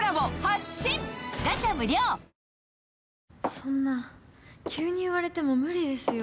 そんな急に言われても無理ですよ。